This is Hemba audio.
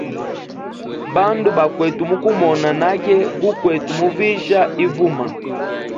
Bandu, bakwete mukumona nage gukwete muvisha ivuma.